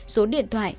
số điện thoại